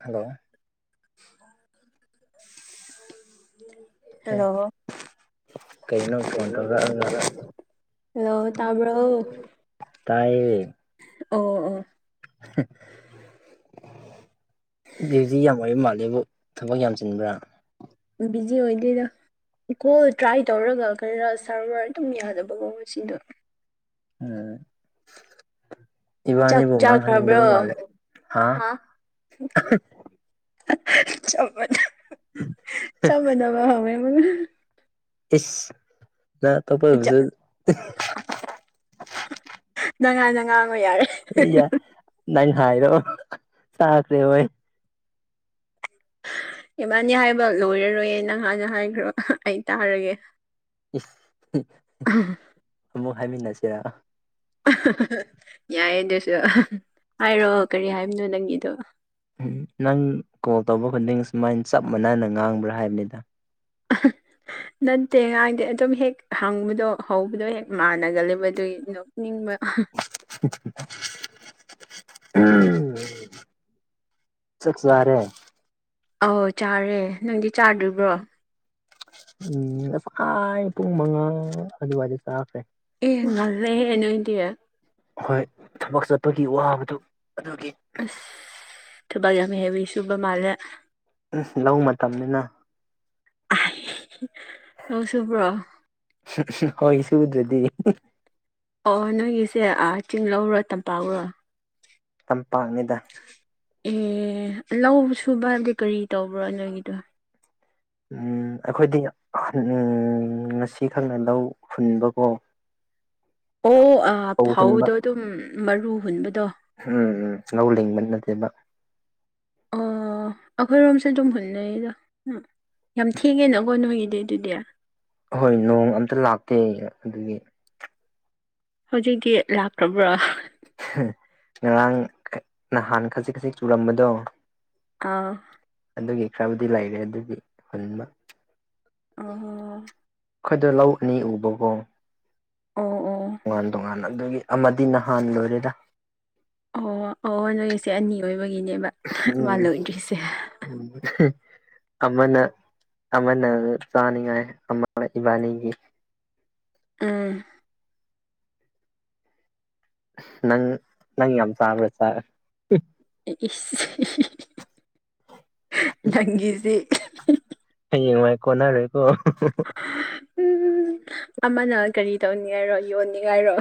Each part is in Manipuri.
ꯍꯜꯂꯣ ꯑꯦ ꯍꯜꯂꯣ ꯀꯩꯅꯣ ꯐꯣꯟ ꯇꯧꯔꯛꯑꯒ ꯍꯂꯣ ꯇꯕ ꯇꯥꯏ ꯑꯣ ꯑꯣ [inaudible] ꯗꯤ ꯍꯧꯖꯤꯛ ꯌꯥꯝ ꯑꯣꯏꯕ ꯃꯥꯜꯂꯦꯕꯨ ꯊꯕꯛ ꯌꯥꯝ ꯆꯤꯟꯕ꯭ꯔꯥ ꯕꯤꯖꯤ ꯑꯣꯏꯗꯣꯏꯗ ꯀꯣ ꯇ꯭ꯔꯥꯏ ꯇꯧꯔꯒ ꯈꯔ ꯁꯔꯚꯔ ꯑꯗꯨꯝ ꯌꯥꯗꯕꯀꯣ ꯁꯤꯗꯣ ꯎꯝ ꯆꯥꯛ ꯏꯕꯥꯅꯤꯕꯣꯡꯅ ꯆꯥꯈ꯭ꯔꯕ꯭ꯔꯣ ꯍꯅꯤꯡꯗꯕ ꯃꯥꯂꯦ ꯍꯥ ꯆꯗ ꯆꯃꯗꯕ ꯍꯦ ꯃ ꯏꯁꯁ ꯅ ꯇꯣꯏ ꯍꯧꯁꯨ ꯅ ꯉꯥꯟꯅ ꯉꯥꯡꯉꯣ ꯌꯥꯔꯦ ꯑꯦ ꯌꯥꯏ ꯅꯪ ꯍꯥꯏꯔꯣ ꯆꯥꯈ꯭ꯔꯦ ꯍꯣꯏ ꯏꯃꯅꯤ ꯍꯥꯏꯕ ꯂꯣꯏꯔꯔꯣꯏꯌꯦ ꯅꯪꯍꯥꯟꯅ ꯍꯥꯏꯈ꯭ꯔꯣ ꯑꯩ ꯇꯥꯔꯒꯦ ꯑꯃꯨꯛ ꯍꯥꯏꯃꯤꯟꯅꯁꯤꯦꯔ ꯌꯥꯏ ꯑꯗꯨꯁꯨ ꯍꯥꯏꯔꯣ ꯀꯔꯤ ꯍꯥꯏꯕꯅꯣ ꯅꯪꯒꯤꯗꯣ ꯎꯝ ꯅꯪ ꯀꯣꯜ ꯇꯧꯕ ꯈꯨꯗꯤꯡ ꯁꯨꯃꯥꯏꯅ ꯆꯞ ꯃꯥꯟꯅꯅ ꯉꯥꯡꯕ꯭ꯔꯥ ꯍꯥꯏꯕꯅꯤꯗ [inaudible] ꯅꯠꯇꯦ ꯉꯥꯏꯗꯤ ꯑꯗꯨꯝ ꯍꯦꯛ ꯍꯪꯕꯗꯣ ꯍꯧꯕꯗꯣ ꯍꯦꯛ ꯃꯥꯟꯅꯒꯂꯕ ꯑꯗꯨꯒꯤ ꯅꯣꯛꯅꯤꯡꯕ ꯎꯝ ꯆꯛ ꯆꯥꯔꯦ ꯑꯧ ꯆꯥꯔꯦ ꯅꯪꯗꯤ ꯆꯥꯗꯣꯔꯤꯕ꯭ꯔꯣ ꯎꯝ ꯐꯥꯏ ꯄꯨꯡ ꯃꯉꯥ ꯑꯗꯨꯋꯥꯏꯗ ꯆꯥꯈ꯭ꯔꯦ ꯑꯦ ꯉꯜꯂꯦ ꯅꯣꯏꯗꯤ ꯍꯣꯏ ꯊꯕꯛ ꯆꯠꯄꯒꯤ ꯋꯥꯕꯗꯨ ꯑꯗꯨꯒꯤ ꯑꯁ ꯊꯕꯥꯛ ꯌꯥꯝ ꯍꯦꯕꯤ ꯁꯨꯕ ꯃꯥꯜꯂꯦ ꯂꯧ ꯃꯇꯝꯅꯤꯅ ꯂꯧ ꯁꯨꯕ꯭ꯔꯣ ꯍꯣꯏ ꯁꯨꯗ꯭ꯔꯗꯤ ꯑꯣ ꯅꯣꯏꯒꯤꯁꯦ ꯆꯤꯡꯂꯧꯔꯣ ꯇꯝꯄꯥꯛꯨꯔꯣ ꯇꯝꯄꯥꯛꯅꯤꯗ ꯑꯦ ꯂ ꯁꯨꯕ ꯍꯥꯏꯕꯗꯤ ꯀꯔꯤ ꯇꯧꯕ꯭ꯔꯣ ꯅꯣꯏꯒꯤꯗꯣ ꯎꯝ ꯑꯩꯈꯣꯏꯗꯤ ꯎ ꯉꯁꯤꯈꯛꯅ ꯂꯧ ꯍꯨꯟꯕꯀꯣ ꯑꯣ ꯐꯧ ꯍꯨꯟꯕ ꯐꯥꯎꯗꯣ ꯑꯗꯨꯝ ꯃꯔꯨ ꯍꯨꯟꯕꯗꯣ ꯎꯝ ꯎꯝ ꯂꯧꯧ ꯂꯤꯡꯕ ꯅꯠꯇꯦꯕ ꯑꯣ ꯑꯩꯈꯣꯏꯔꯣꯝꯁꯦ ꯑꯗꯨꯝ ꯍꯨꯟꯅꯩꯗ ꯎꯝ ꯌꯥꯝ ꯊꯦꯡꯉꯦꯅꯀꯣ ꯅꯣꯏꯒꯤꯗꯤ ꯑꯗꯨꯗꯤ ꯍꯣꯏ ꯅꯣꯡ ꯑꯝꯇ ꯂꯥꯛꯇꯦ ꯑꯗꯨꯒꯤ ꯍꯧꯖꯤꯛꯇꯤ ꯂꯥꯛꯇ꯭ꯔꯕ꯭ꯔꯥ ꯉꯔꯥꯡ ꯅꯍꯥꯟ ꯈꯖꯤꯛ ꯈꯖꯤꯛ ꯆꯨꯔꯝꯕꯗꯣ ꯑꯥ ꯑꯗꯨꯒꯤ ꯈꯔꯕꯨꯗꯤ ꯂꯩꯔꯦ ꯑꯗꯨꯒꯤ ꯍꯨꯟꯕ ꯑ ꯑꯩꯈꯣꯏꯗ ꯂꯧ ꯑꯅꯤ ꯎꯕꯀꯣ ꯑꯣ ꯑꯣ ꯇꯣꯉꯥꯟ ꯇꯣꯉꯥꯟ ꯑꯗꯨꯒꯤ ꯑꯃꯗꯤ ꯅꯍꯥꯟ ꯂꯣꯏꯔꯦꯔ ꯑꯣ ꯑꯣ ꯅꯣꯏꯒꯤꯁꯦ ꯑꯅꯤ ꯑꯣꯏꯕꯒꯤꯅꯦꯕ ꯃꯥ ꯎꯝ ꯂꯣꯏꯗ꯭ꯔꯤꯁꯦ ꯎꯝ ꯑꯃꯅ ꯑꯃꯅ ꯆꯥꯅꯤꯡꯉꯥꯏ ꯑꯃ ꯏꯕꯥꯅꯤꯒꯤ ꯑꯥ ꯅꯪ ꯅꯪ ꯌꯥꯝ ꯆꯥꯕ꯭ꯔꯥ ꯁꯥꯔ ꯅꯪꯒꯤꯁꯤ ꯍꯌꯦꯡꯋꯥꯥꯏ ꯀꯣꯟꯅꯔꯣꯏꯀꯣ ꯎꯝ ꯑꯃꯅ ꯀꯔꯤ ꯇꯧꯅꯤꯡꯉꯥꯏꯔꯣ ꯌꯣꯟꯅꯤꯡꯉꯥꯏꯔꯣ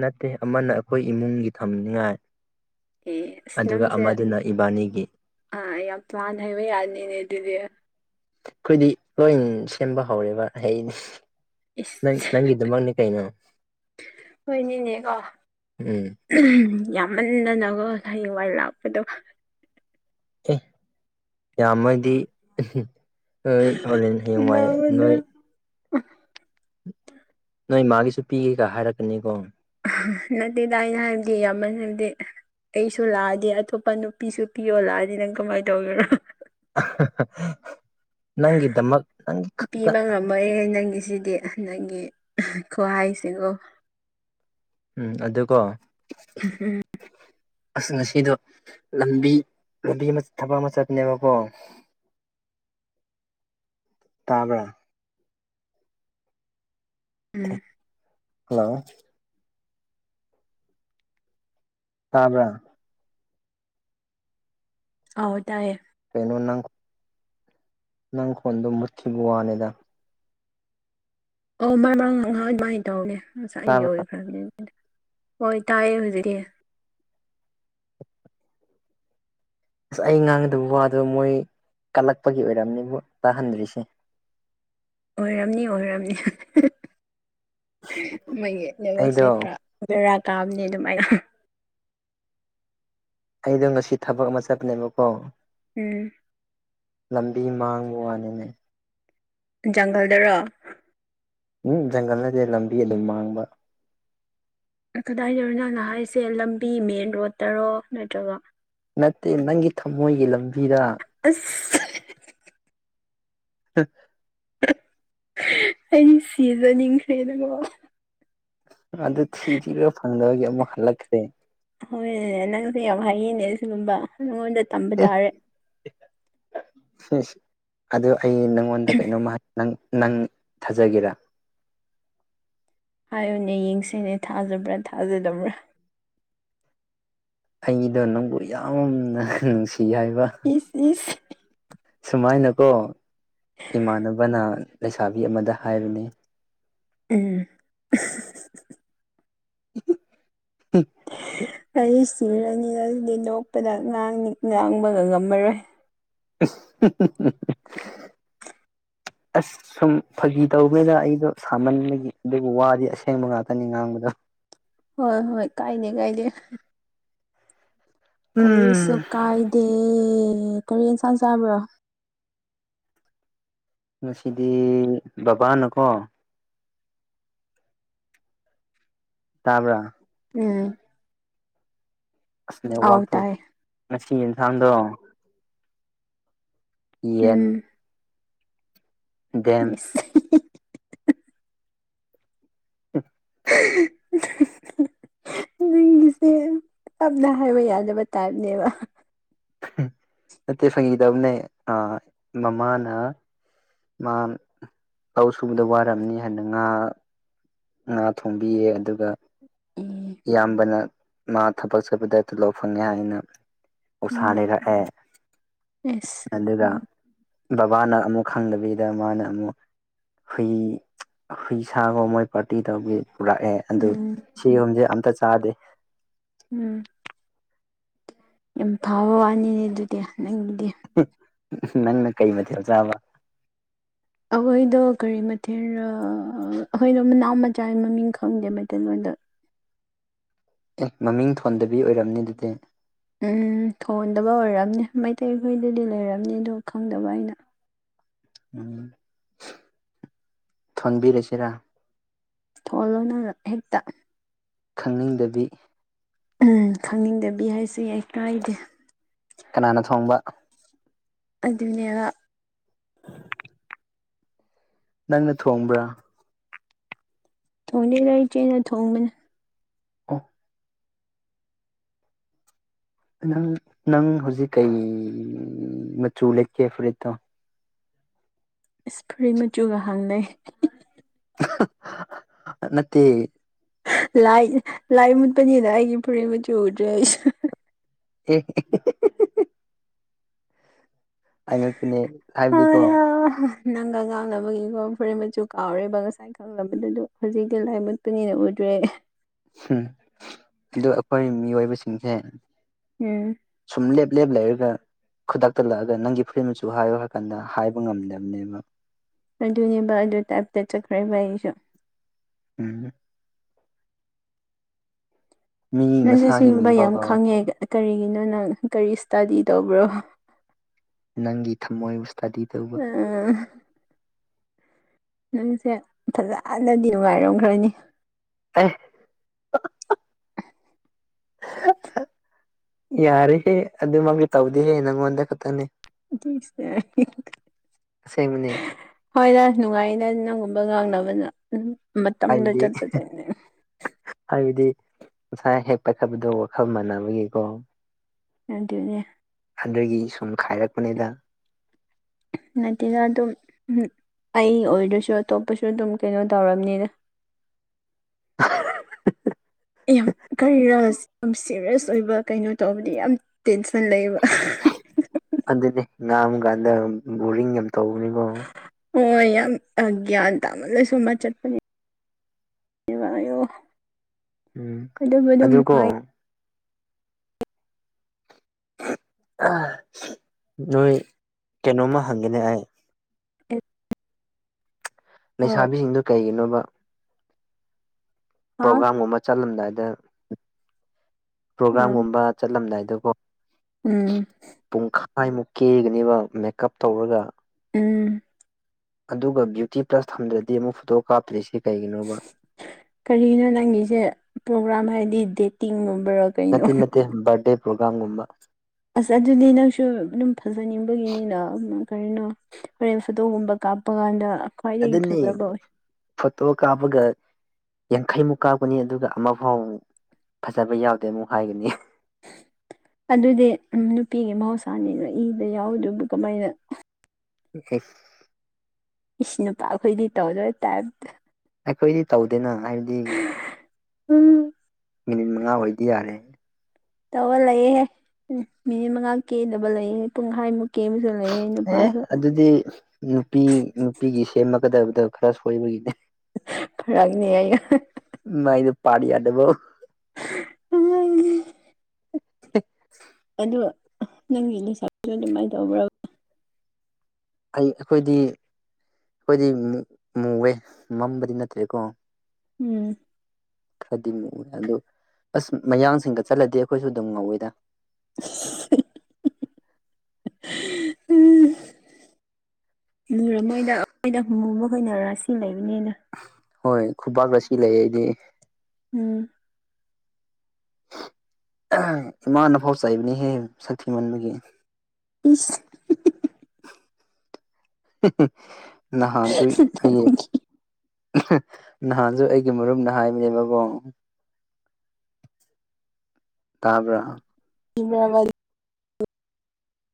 ꯅꯠꯇꯦ ꯑꯃꯅ ꯑꯩꯈꯣꯏ ꯏꯃꯨꯡꯒꯤ ꯊꯝꯅꯤꯉꯥꯏ ꯑꯦ ꯑꯗꯨꯒ ꯑꯃꯗꯨꯅ ꯏꯕꯥꯅꯤꯒꯤ ꯑ ꯌꯥꯝ ꯄ꯭ꯂꯥꯟ ꯍꯥꯏꯕ ꯌꯥꯅꯤꯅꯦ ꯑꯗꯨꯗꯤ ꯑꯩꯈꯣꯏꯗꯤ ꯂꯣꯏ ꯁꯦꯝꯕ ꯍꯧꯔꯦꯕ ꯍꯩꯗꯤ ꯅꯪ ꯏꯁ ꯅꯪꯒꯤ ꯑꯗꯨꯃꯛꯅꯦ ꯀꯩꯅꯣ ꯎꯝ ꯌꯥꯝꯃꯟꯗꯅꯒ ꯍꯩꯋꯥꯏ ꯂꯥꯛꯄꯗꯣ ꯑꯦ ꯌꯥꯝꯃꯗꯤ ꯍꯣꯏ ꯍꯣꯔꯦꯟ ꯍꯌꯦꯡꯋꯥꯏ ꯅꯪꯉꯣꯟꯗ ꯅꯣꯏ ꯅꯣꯏ ꯃꯥꯒꯤꯁꯨ ꯄꯤꯒꯦ ꯀ ꯍꯥꯏꯔꯛꯀꯅꯤꯀꯣ ꯅꯠꯇꯦꯗ ꯑꯩꯅ ꯍꯥꯏꯕꯗꯤ ꯌꯥꯝꯃ ꯍꯥꯏꯕꯗꯤ ꯑꯩꯁꯨ ꯂꯥꯛꯑꯗꯤ ꯑꯇꯣꯞꯄ ꯅꯨꯄꯤꯁꯨ ꯄꯤꯌꯣ ꯂꯥꯛꯑꯗꯤ ꯅꯪ ꯀꯃꯥꯏꯅ ꯇꯧꯒꯔꯣ ꯅꯪ ꯗ ꯃꯒ ꯅꯪ ꯀꯗ ꯂꯣꯏꯔ ꯅꯪꯒꯤꯁꯤꯗꯤ ꯅꯪꯒꯤ ꯈꯨ ꯍꯥꯏꯁꯤꯒꯣ ꯎꯝ ꯑꯗꯨꯀꯣ ꯎꯝ ꯑꯁ ꯉꯁꯤꯗꯣ ꯂꯝꯕꯤ ꯂꯝꯕꯤ ꯑꯃ ꯊꯕꯛ ꯑꯃ ꯆꯠꯄꯅꯦꯕꯀꯣ ꯇꯥꯕ꯭ꯔꯥ ꯎꯝ ꯍꯜꯂꯣ ꯇꯥꯕ꯭ꯔꯥ ꯑꯧ ꯇꯥꯏꯌꯦ ꯀꯩꯅꯤꯅꯪ ꯅꯪꯈꯣꯟꯗꯣ ꯃꯨꯠꯈꯤꯕ ꯋꯥꯅꯤꯗ ꯑꯣ ꯃ ꯃꯔꯥꯡ ꯉꯍ ꯑꯗꯨꯃꯥꯏꯅ ꯇꯧꯒꯦ ꯉꯁꯥꯏ ꯑꯩꯒꯤ ꯇꯥꯕ꯭ꯔꯥ ꯑꯣꯏꯈ꯭ꯔꯕꯅꯦ ꯑꯗꯨꯃꯥꯏꯅ ꯍꯣꯏ ꯇꯥꯏꯌꯦ ꯍꯧꯖꯤꯛꯇꯤ ꯑꯁ ꯑꯩ ꯉꯥꯡꯒꯗꯕ ꯋꯥꯗꯣ ꯃꯣꯏ ꯀꯠꯂꯛꯄꯒꯤ ꯑꯣꯏꯔꯝꯅꯦꯕꯨ ꯇꯥꯍꯟꯗ꯭ꯔꯤꯁꯦ ꯑꯣꯏꯔꯝꯅꯤ ꯑꯣꯏꯔꯝꯅꯤ ꯃꯣꯏꯒꯤ ꯑꯩꯗꯣ ꯅꯦꯠꯌꯣꯛꯁꯔ ꯈꯔꯥ ꯕꯦꯔꯥ ꯀꯥꯕꯅꯦ ꯑꯗꯨꯃꯥꯏꯅ ꯑꯩꯗꯣ ꯉꯁꯤ ꯊꯕꯛ ꯑꯃ ꯆꯠꯄꯅꯦꯕꯀꯣ ꯎꯝ ꯂꯝꯕꯤ ꯃꯥꯡꯕ ꯋꯥꯅꯤꯅꯦ꯫ ꯖꯪꯒꯜꯗꯔꯣ? ꯎꯝ ꯖꯪꯒꯜ ꯅꯠꯇꯦ ꯂꯝꯕꯤ ꯑꯗꯨꯝ ꯃꯥꯡꯕ꯫ ꯀꯗꯥꯏꯗꯔꯣ ꯅꯪꯅ ꯍꯥꯏꯁꯦ ꯂꯝꯕꯤ ꯃꯦꯟ ꯔꯣꯗꯠꯇꯔꯣ ꯅꯠꯇ꯭ꯔꯒ ꯅꯠꯇꯦ ꯅꯪꯒꯤ ꯊꯝꯃꯣꯏꯒꯤ ꯂꯝꯕꯤꯗ꯫ ꯑꯁ ꯑꯩꯗꯤ ꯁꯤꯖꯅꯤꯡꯈ꯭ꯔꯦꯗꯀꯣ ꯑꯗꯨ ꯊꯤ ꯊꯤꯔꯒ ꯐꯪꯗꯕꯒꯤ ꯑꯃꯨꯛ ꯍꯜꯂꯛꯈ꯭ꯔꯦ꯫ ꯍꯣꯏꯅꯦ ꯅꯪꯁꯦ ꯌꯥꯝ ꯍꯥꯏꯌꯦꯅꯦ ꯁꯤꯒꯨꯝꯕ ꯅꯪꯉꯣꯟꯗ ꯇꯝꯕ ꯇꯥꯔꯦ꯫ ꯑꯗꯨ ꯑꯩ ꯅꯪꯉꯣꯟꯗ ꯀꯩꯅꯣꯝꯃ ꯅꯪ ꯅꯪ ꯊꯥꯖꯒꯦꯔ ꯍꯥꯏꯌꯨꯅꯦ ꯌꯦꯡꯁꯤꯅꯦ ꯊꯥꯖꯕ꯭ꯔꯥ ꯊꯥꯖꯗꯕ꯭ꯔꯥ ꯑꯩꯒꯤꯗꯣ ꯅꯪꯕꯨ ꯌꯥꯝꯅ ꯅꯨꯡꯁꯤ ꯍꯥꯏꯕ ꯑꯁ ꯁꯨꯃꯥꯏꯅꯀꯣ ꯏꯃꯥꯟꯅꯕꯅ ꯂꯩꯁꯥꯕꯤ ꯑꯃꯗ ꯍꯥꯏꯕꯅꯦ ꯎꯝ [unintelligible] ꯑꯩ ꯁꯤꯔꯅꯤ ꯑꯗꯨꯗꯤ ꯂꯣꯛꯄꯗꯥꯡ ꯉꯥꯡꯕꯒ ꯉꯝꯃꯔꯣꯏ [unintelligible] [inaudible] ꯑꯁ ꯁꯨꯝ ꯐꯒꯤ ꯇꯧꯕꯅꯤꯗ ꯑꯩꯗꯣ ꯁꯥꯃꯟꯕꯒꯤ ꯑꯗꯨꯕꯨ ꯋꯥꯗꯤ ꯑꯁꯦꯡꯕ ꯉꯥꯛꯇꯅꯤ ꯉꯥꯡꯕꯗꯣ ꯍꯣꯏ ꯍꯣꯏ ꯀꯥꯏꯗꯦ ꯀꯥꯏꯗꯦ꯫ ꯀꯔꯤꯁꯨ ꯎꯝ ꯀꯥꯏꯗꯦ ꯀꯔꯤ ꯑꯦꯟꯁꯥꯡ ꯆꯥꯕ꯭ꯔꯣ? ꯉꯁꯤꯗꯤ ꯕꯕꯥꯅꯀꯣ ꯇꯥꯕꯔꯥ ꯎꯝ ꯑꯥꯎ ꯑꯁꯅꯦꯋꯥꯛ ꯇꯥꯏ ꯉꯁꯤ ꯌꯦꯟꯁꯥꯡꯗꯣ ꯌꯦꯟ ꯎꯝ ꯗꯦꯝ ꯏꯁ [unintelligible] [unintelligible] ꯑꯩꯒꯤꯁꯦ ꯇꯞꯅ ꯍꯥꯏꯕ ꯌꯥꯗꯕ ꯇꯥꯏꯞꯅꯦꯕ꯫ ꯅꯠꯇꯦ ꯐꯒꯤꯗꯧꯕꯅꯦ ꯑ ꯃꯃꯥꯅ ꯃꯥ ꯂꯧ ꯁꯨꯕꯗ ꯋꯥꯔꯝꯅꯤ ꯍꯥꯏꯅ ꯉꯥ ꯉꯥ ꯊꯣꯡꯕꯤꯌꯦ ꯑꯗꯨꯒ ꯎꯝ ꯏꯌꯥꯝꯕꯅ ꯃꯥ ꯊꯕꯛ ꯆꯠꯄꯗ ꯇꯨꯂꯣꯞ ꯐꯪꯉꯦ ꯍꯥꯏꯅ ꯎꯁꯥ ꯎꯝ ꯂꯩꯔꯛꯑꯦ ꯑꯦꯁ ꯑꯗꯨꯒ ꯎꯝ ꯕꯕꯥꯅ ꯑꯃꯨꯛ ꯈꯪꯗꯕꯤꯗ ꯃꯥꯅ ꯑꯃꯨꯛ ꯍꯨꯏ ꯍꯨꯏ ꯁꯥꯒ ꯃꯣꯏ ꯄꯥꯔꯇꯤ ꯇꯧꯕꯒꯤ ꯄꯨꯔꯛꯑꯦ꯫ ꯑꯗꯨ ꯎꯝ ꯁꯤꯒꯣꯝꯁꯦ ꯑꯝꯇ ꯆꯥꯗꯦ꯫ ꯎꯝ ꯌꯥꯝ ꯐꯕ ꯋꯥꯅꯤꯅꯦ ꯑꯗꯨꯗꯤ ꯅꯪꯒꯤꯗꯤ ꯅꯪꯅ ꯀꯩ ꯃꯊꯦꯜ ꯆꯥꯕ ꯫ ꯑꯈꯣꯏꯗꯣ ꯀꯔꯤ ꯃꯊꯦꯜꯔꯥ ꯑꯈꯣꯏꯗꯣ ꯃꯅꯥꯎ ꯃꯆꯥꯏ ꯃꯃꯤꯡ ꯈꯪꯗꯦ ꯃꯩꯇꯩꯂꯣꯟꯗ꯫ ꯑꯦ ꯃꯃꯤꯡ ꯊꯣꯟꯗꯕꯤ ꯑꯣꯏꯔꯝꯅꯤ ꯑꯗꯨꯗꯤ꯫ ꯎꯝ ꯊꯣꯟꯗꯕ ꯑꯣꯏꯔꯝꯅꯤ ꯃꯩꯇꯩ ꯈꯣꯏꯗꯗꯤ ꯂꯩꯔꯝꯅꯤ ꯗꯨ ꯈꯪꯗꯕ ꯑꯩꯅ꯫ ꯎꯝ ꯊꯣꯟꯕꯤꯔꯁꯤꯔꯥ? ꯊꯣꯛꯍ ꯂꯣꯏꯅ ꯍꯦꯛꯇ ꯈꯪꯅꯤꯡꯗꯕꯤ ꯎ ꯈꯪꯅꯤꯡꯗꯕꯤ ꯍꯥꯏꯁꯤ ꯑꯩꯏ ꯀꯥꯏꯗꯦ ꯀꯅꯥꯅ ꯊꯣꯡꯕ ꯑꯗꯨꯅꯦꯕ ꯅꯪꯅ ꯊꯣꯡꯕ꯭ꯔꯥ ꯊꯣꯡꯖꯦ ꯂꯔꯤ ꯆꯦꯅ ꯊꯣꯡꯕꯅꯦ ꯑ ꯅꯪ ꯅꯪ ꯍꯧꯖꯤꯛ ꯀꯩ ꯃꯆꯨ ꯂꯩꯀꯦ ꯐꯨꯔꯤꯠꯇꯣ ꯏꯁꯄ꯭ꯔꯤ ꯃꯆꯨꯒ ꯍꯥꯡꯅꯩ ꯅꯠꯇꯦ ꯂꯥꯏ ꯂꯥꯏ ꯃꯨꯠꯄꯅꯤꯅ ꯑꯩꯒꯤ ꯐꯨꯔꯤ ꯃꯆꯨ ꯎꯗ꯭ꯔꯦ ꯑꯩꯁꯨ [unintelligible] ꯑꯩꯉꯛꯄꯅꯦ ꯍꯥꯏꯕꯗꯤꯀꯣ ꯑꯌꯥ ꯅꯪꯒ ꯉꯥꯡꯅꯕꯒꯤꯒꯣ ꯐꯨꯔꯤ ꯃꯆꯨ ꯀꯥꯎꯔꯦꯕ ꯉꯁꯥꯏ ꯈꯪꯂꯕꯗꯨꯗꯣ ꯍꯧꯖꯤꯛꯇꯤ ꯂꯥꯏ ꯃꯨꯠꯄꯅꯤꯅ ꯎꯗ꯭ꯔꯦ꯫ ꯎꯝ ꯑꯗꯨ ꯑꯈꯣꯏ ꯃꯤꯑꯣꯏꯕꯁꯤꯡꯁꯦ ꯎꯝ ꯁꯨꯝ ꯂꯦꯞ ꯂꯦꯞ ꯂꯩꯔꯒ ꯈꯨꯗꯛꯇ ꯂꯥꯛꯑꯒ ꯅꯪꯒꯤ ꯐꯨꯔꯤ ꯃꯆꯨ ꯍꯥꯏꯌꯣ ꯍꯥꯏ ꯀꯥꯟꯗ ꯍꯥꯏꯕ ꯉꯝꯗꯕꯅꯦꯕ꯫ ꯑꯗꯨꯅꯦꯕ ꯑꯗꯨ ꯇꯥꯏꯞꯇ ꯆꯠꯈ꯭ꯔꯦꯕ ꯑꯩꯁꯨ꯫ ꯎꯝ ꯃꯤ ꯅꯪꯁꯦ ꯃꯁꯥꯒꯤ ꯁꯤꯒꯨꯝꯕ ꯃꯤꯡꯐꯥꯎ ꯌꯥꯝ ꯀꯥꯎꯋꯦ ꯈꯪꯉꯦ ꯀꯔꯤꯒꯤꯅꯣ ꯅꯪ ꯀꯔꯤ ꯏꯁꯇꯗꯤ ꯇꯧꯕ꯭ꯔꯣ ꯅꯪꯒꯤ ꯊꯝꯃꯣꯏꯕꯨ ꯏꯁꯇꯗꯤ ꯇꯧꯕ ꯎ ꯅꯪꯁꯦ ꯐꯖꯅꯗꯤ ꯅꯨꯡꯉꯥꯏꯔꯝꯈ꯭ꯔꯅꯤ ꯍꯥꯏ ꯌꯥꯔꯦ ꯍꯦ ꯑꯗꯨ ꯃꯥ ꯇꯧꯗꯦꯍꯦ ꯅꯪꯣꯟꯗꯦ ꯈꯛꯇꯅꯤ ꯁꯦ ꯑꯁꯦꯡꯕꯅꯦ ꯍꯣꯏꯗꯁ ꯅꯨꯡꯉꯥꯏꯅꯦ ꯅꯪꯒꯨꯝꯕ ꯉꯥꯡꯅꯕꯅ ꯃꯇꯝꯗꯣ ꯍꯥꯏꯗꯤ ꯆꯠꯄꯗꯅꯦ ꯍꯥꯏꯕꯗꯤ ꯉꯁꯥꯏ ꯍꯦꯛꯄꯈꯠꯄꯗꯣ ꯋꯥꯈꯜ ꯃꯥꯟꯅꯕꯒꯤꯀꯣ ꯌꯥꯝꯗꯤꯅꯦ ꯑꯗꯒꯤ ꯁꯨꯝ ꯈꯥꯏꯔꯛꯄꯅꯤꯗ ꯅꯠꯇꯅ ꯑꯗꯨꯝ ꯑꯩ ꯑꯣꯏꯔꯁꯨ ꯑꯇꯣꯞꯄꯁꯨ ꯑꯗꯨꯝ ꯀꯩꯅꯣ ꯇꯧꯔꯕꯝꯅꯤꯅ ꯍ ꯈꯩꯔꯁꯤ ꯌꯥꯝ ꯁꯦꯔꯤꯌꯁ ꯑꯣꯏꯕ ꯀꯩꯅꯣ ꯇꯧꯕꯗꯤ ꯌꯥꯝ ꯇꯦꯟꯁꯟ ꯂꯩꯕ ꯑꯗꯨꯗꯤ ꯉꯥꯡꯨꯀꯥꯟꯗ ꯕꯣꯔꯤꯡ ꯌꯥꯝ ꯇꯧꯕꯅꯤꯀꯣ ꯍꯣꯏ ꯌꯥꯝꯒ꯭ꯌꯥꯟ ꯇꯥꯃ ꯂꯣꯏ ꯁꯣꯕ ꯆꯠꯄꯅꯦ ꯀꯚꯔꯣ ꯎꯝ ꯑꯗꯨꯀꯣ ꯅꯨꯡꯉꯥꯏ ꯅꯣꯏ ꯀꯩꯅꯣꯝꯃ ꯍꯪꯒꯦꯅꯦ ꯑꯩ ꯑꯦ ꯂꯩꯁꯥꯕꯤꯁꯤꯡꯗꯨ ꯀꯩꯒꯤꯅꯣꯕ ꯍꯥ ꯄ꯭ꯔꯣꯒꯥ꯭ꯔꯥꯝꯒꯨꯝꯕ ꯆꯠꯂꯝꯗꯥꯏꯗ ꯎꯝ ꯄ꯭ꯔꯣꯒꯥ꯭ꯔꯥꯝꯒꯨꯝꯕ ꯆꯠꯂꯝꯗꯥꯏꯗꯀꯣ ꯎꯝ ꯄꯨꯡꯈꯥꯏꯃꯨꯛ ꯀꯦꯒꯅꯦꯕ ꯃꯦꯀꯞ ꯇꯧꯔꯒ ꯎꯝ ꯑꯗꯨꯒ ꯕ꯭ꯌꯨꯇꯤ ꯄ꯭ꯂꯁ ꯊꯝꯗ꯭ꯔꯗꯤ ꯑꯃꯨꯛ ꯐꯣꯇꯣꯛ ꯀꯥꯞꯇ꯭ꯔꯤꯁꯤ ꯀꯩꯒꯤꯅꯣꯕ ꯀꯔꯤꯅꯣ ꯅꯪꯒꯤꯁꯦ ꯄ꯭ꯔꯣꯒ꯭ꯔꯥꯝ ꯍꯥꯏꯗꯤ ꯗꯦꯠꯇꯤꯡꯒꯨꯝꯕꯔ ꯅꯠꯇꯦ ꯅꯠꯇꯦ ꯕꯥꯔꯗꯦ ꯄ꯭ꯔꯣꯒꯥꯝꯒꯨꯝꯕ ꯑꯁ ꯑꯗꯨꯗꯤ ꯅꯪꯁꯨ ꯑꯗꯨꯝ ꯐꯖꯅꯤꯡꯕꯒꯤꯅꯤꯅ ꯀꯔꯤꯅꯣ ꯍꯦꯟ ꯐꯗꯣꯒꯨꯝꯕ ꯀꯥꯞꯄ ꯀꯥꯟꯗ ꯈ꯭ꯋꯥꯏꯗꯒꯤ ꯑꯗꯨꯗꯅꯤꯦ ꯐꯖꯕ ꯑꯣꯏ ꯐꯠꯇꯣ ꯀꯥꯄꯒ ꯌꯥꯡꯈꯩꯃꯨꯛ ꯀꯥꯞꯄꯅꯤ ꯑꯗꯨꯒ ꯑꯃꯐꯥꯎꯕꯃꯨꯛ ꯐꯖꯕ ꯌꯥꯎꯗꯦ ꯑꯃꯨꯛ ꯍꯥꯏꯒꯅꯤ ꯑꯗꯨꯗꯤ ꯅꯨꯄꯤꯒꯤ ꯃꯍꯧꯁꯥꯅꯤꯅꯣ ꯏꯗ ꯌꯥꯎꯗꯨꯕꯨ ꯀꯃꯥꯏꯅ ꯑꯣꯦ ꯏ ꯅꯨꯄꯥ ꯑꯩꯈꯣꯏꯗꯤ ꯇꯧꯗꯕ ꯇꯥꯏꯞꯇ ꯑꯩꯈꯣꯏꯗꯤ ꯇꯧꯗꯦꯅ ꯍꯥꯏꯕꯗꯤ ꯎꯝ ꯃꯤꯅꯤꯠ ꯃꯉꯥ ꯑꯣꯏꯗꯤ ꯌꯥꯔꯦ ꯇꯧꯔ ꯂꯩꯌꯦꯦꯍꯦ ꯃꯤꯅꯤꯠ ꯃꯉꯥ ꯀꯦꯗꯕ ꯂꯩꯑꯍꯦ ꯄꯨꯡꯈꯃꯨꯛ ꯀꯦ ꯑꯃꯁꯨ ꯂꯩꯦ ꯑꯦ ꯑꯗꯨꯗꯤ ꯅꯨꯄꯤ ꯅꯨꯄꯤꯒꯤ ꯁꯦꯝꯃꯒꯗꯕꯗꯣ ꯈꯔ ꯁꯣꯏꯕꯒꯤꯅꯦ ꯐꯔꯛꯒꯅꯦ ꯑꯦ ꯃꯥꯥꯏꯗꯨ ꯄꯥꯔ ꯌꯥꯗꯕꯣ ꯎ ꯑꯗ ꯅꯪꯒꯤ ꯂꯩꯁꯥꯁꯨ ꯑꯗꯨꯃꯥꯏꯅ ꯇꯧꯕ꯭ꯔꯣ ꯑꯩ ꯑꯩꯈꯣꯏꯗꯤ ꯑꯩꯈꯣꯏꯗꯤ ꯃꯨꯋꯦ ꯃꯝꯕꯗꯤ ꯅꯠꯇ꯭ꯔꯦꯀꯣ ꯎꯝ ꯈꯔꯗꯤ ꯃꯨ ꯑꯗꯨ ꯑꯁ ꯃꯌꯥꯡꯁꯤꯡꯒ ꯆꯠꯂꯗꯤ ꯑꯩꯈꯣꯏꯁꯨ ꯑꯗꯨꯝ ꯉꯧꯋꯦꯗ [inaudible] ꯂꯨꯔꯃꯣꯏꯗ ꯑꯩꯈꯣꯏꯗ ꯍꯨꯕꯣꯏꯅꯔꯥꯁꯤ ꯂꯩꯕꯅꯤꯅ ꯍꯣꯏ ꯈꯨꯄꯥꯛꯥꯛꯇ ꯁꯤ ꯂꯩ ꯑꯩꯗꯤ ꯎꯝ ꯏꯃꯥꯅ ꯐꯥꯎ ꯆꯥꯏꯕꯅꯤꯍꯦ ꯁꯥꯊꯤ ꯃꯟꯕꯒꯤ ꯏꯁ ꯅꯍꯥꯟꯁꯨ ꯍꯌꯦꯡ ꯅꯍꯥꯟꯁꯨ ꯑꯩꯒꯤ ꯃꯔꯨꯝꯗ ꯍꯥꯏꯕꯅꯦꯕꯀꯨꯡ ꯇꯥꯕ꯭ꯔ ꯃ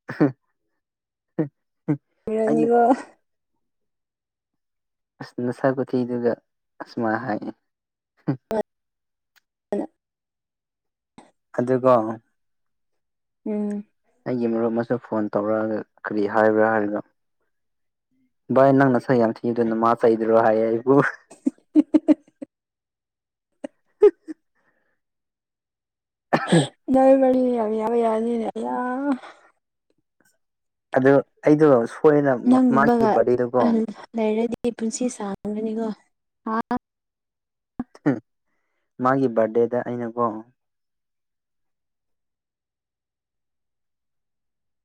ꯍ ꯑꯩꯅ ꯕꯤꯔꯌꯥꯅꯤꯒ ꯑꯁ ꯅꯁꯥ ꯀꯨꯊꯤꯗꯨꯒ ꯑꯁꯨꯃꯥꯏꯅ ꯍꯥꯏꯌꯦ ꯍ ꯑꯗꯨꯒ ꯎꯝ ꯑꯩꯒꯤ ꯃꯔꯨꯞ ꯑꯃꯁꯨ ꯐꯣꯟ ꯇꯧꯔꯛꯑꯒ ꯀꯔꯤ ꯍꯥꯏꯕ꯭ꯔꯥ ꯍꯥꯏꯔꯅꯣ ꯚꯥꯏ ꯅꯪ ꯅ ꯁ ꯌꯥꯝ ꯊꯤꯉ ꯑꯗꯨꯅ ꯃꯥ ꯆꯩꯗ꯭ꯔꯣ ꯍꯥꯏꯌꯦ ꯑꯩꯕꯨ ꯌꯥꯏ ꯃꯅꯤ ꯌꯥꯝ ꯌꯥꯕ ꯌꯥꯔꯅꯤꯅꯦ ꯑꯌꯥ ꯑꯗꯨ ꯑꯩꯗꯣ ꯁꯣꯏꯔꯅ ꯃꯥꯒꯤ ꯅꯪꯒꯨꯝꯕꯒ ꯕꯥꯔꯗꯦꯗꯨꯀꯣ ꯂꯩꯔꯗꯤ ꯑꯩ ꯄꯨꯟꯁꯤ ꯁꯥꯡꯒꯅꯤꯀꯣ ꯃꯥꯒꯤ ꯕꯥꯔꯗꯦꯗ ꯑꯩꯅꯀꯣ